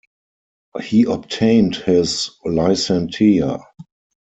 He obtained his "licentia".